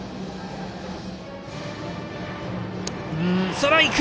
ストライク！